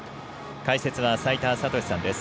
解説は齋田悟司さんです。